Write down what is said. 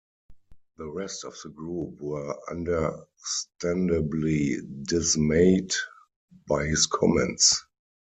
The rest of the group were understandably dismayed by his comments.